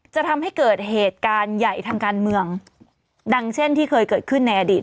จะทำให้เกิดเหตุการณ์ใหญ่ทางการเมืองดังเช่นที่เคยเกิดขึ้นในอดีต